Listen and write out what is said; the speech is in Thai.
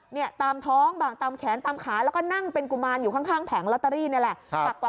เนี่ยตามท้องบ้างตามแขนตามขาแล้วก็นั่งเป็นกุมารอยู่ข้างแผงลอตเตอรี่นี่แหละ